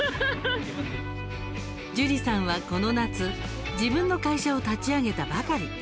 ジュリさんは、この夏自分の会社を立ち上げたばかり。